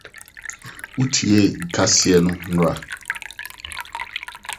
Wotiee kaseɛ no nnora?